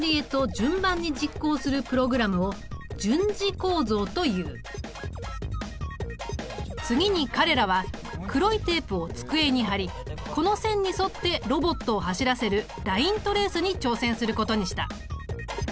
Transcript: このように次に彼らは黒いテープを机に貼りこの線に沿ってロボットを走らせるライントレースに挑戦することにした。